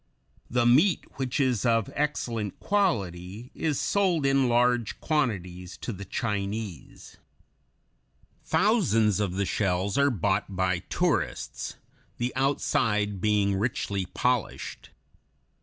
The meat, which is of excellent quality, is sold in large quantities to the Chinese. Thousands of the shells are bought by tourists, the outside being richly polished.